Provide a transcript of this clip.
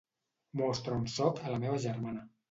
Mostra on soc a la meva germana.